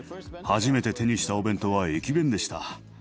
初めて手にしたお弁当は駅弁でした。